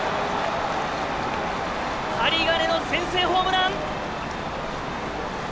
針金の先制ホームラン！